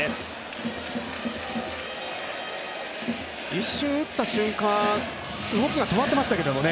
一瞬打った瞬間、動きが止まっていましたけれども。